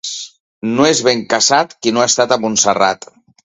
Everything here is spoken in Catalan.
No és ben casat qui no ha estat a Montserrat.